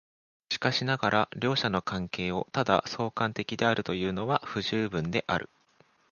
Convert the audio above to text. しかしながら両者の関係をただ相関的であるというのは不十分である。